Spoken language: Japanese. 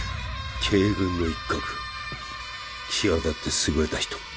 鶏群の一鶴際立って優れた人